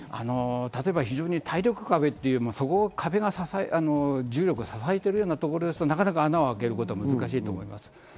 非常に耐力壁という壁が重力を支えてるところですと、なかなか穴をあけることは難しいと思います。